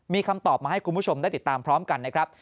มีคำตอบมาให้คุณผู้ชมได้ติดตามพร้อมกันนะครับ